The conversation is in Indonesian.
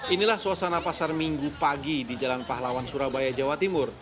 inilah suasana pasar minggu pagi di jalan pahlawan surabaya jawa timur